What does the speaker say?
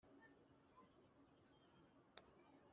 naharanira neza kugera kure